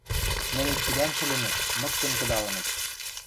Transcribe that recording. Нӹнет цилӓн шӹлӹнӹт, мыктен кыдалыныт.